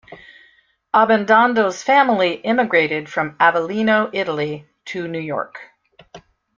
Abbandando's family immigrated from Avellino, Italy to New York.